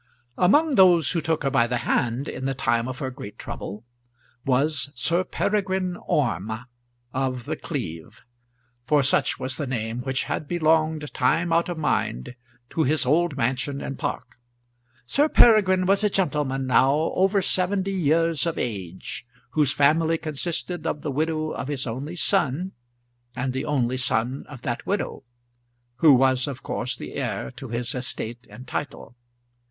Among those who took her by the hand in the time of her great trouble was Sir Peregrine Orme of The Cleeve, for such was the name which had belonged time out of mind to his old mansion and park. Sir Peregrine was a gentleman now over seventy years of age, whose family consisted of the widow of his only son, and the only son of that widow, who was of course the heir to his estate and title.